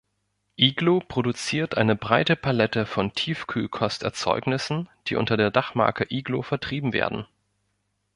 Iglo produziert eine breite Palette von Tiefkühlkost-Erzeugnissen, die unter der Dachmarke Iglo vertrieben werden.